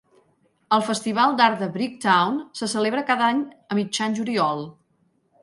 El festival d'art de Bricktown se celebra cada any a mitjan juliol.